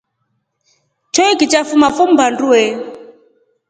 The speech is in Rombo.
Choiki cha fuma fo mbaa ndwe.